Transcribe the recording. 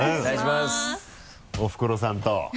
おふくろさんと。